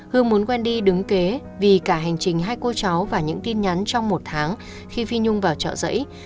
hương muốn quen đi đứng kế vì cả hành trình hai cô cháu và những tin nhắn trong một tháng khi phí nhung vào chợ dẫy